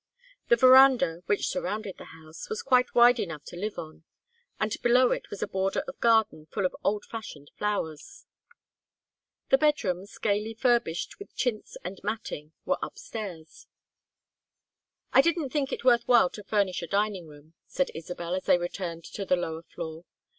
The veranda, which surrounded the house, was quite wide enough to live on, and below it was a border of garden full of old fashioned flowers. The bedrooms, gayly furbished with chintz and matting, were up stairs. "I didn't think it worth while to furnish a dining room," said Isabel as they returned to the lower floor.